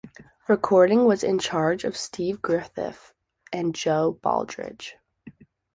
Recording was in charge of Steve Griffith and Joe Baldridge.